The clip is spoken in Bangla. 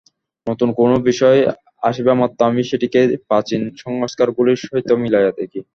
নূতন কোন বিষয় আসিবামাত্র আমি সেটিকেই প্রাচীন সংস্কারগুলির সহিত মিলাইয়া দেখি।